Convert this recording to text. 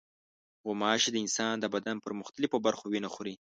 غوماشې د انسان د بدن پر مختلفو برخو وینه خوري.